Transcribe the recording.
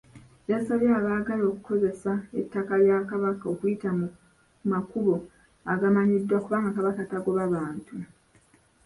Yasabye abaagala okukozesa ettaka lya Kabaka okuyita mu makubo agamanyiddwa kubanga Kabaka tagoba bantu.